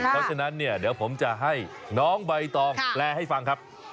เพราะฉะนั้นเนี่ยเดี๋ยวผมจะให้น้องใบตองแปลให้ฟังครับ